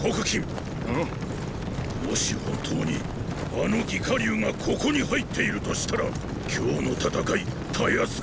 もし本当にあの魏火龍がここに入っているとしたら今日の戦い容易くは。